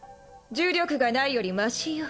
呪力がないよりましよ。